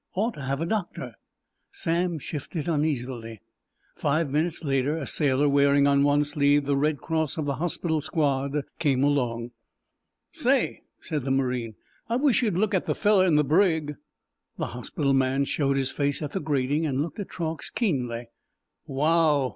Ought to have the doctor." Sam shifted uneasily. Five minutes later a sailor wearing on one sleeve the Red Cross of the hospital squad came along. "Say," said the marine, "I wish you'd look at the feller in the brig." The hospital man showed his face at the grating and looked at Truax keenly. "Wow!